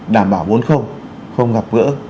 đảm bảo bốn không không gặp gỡ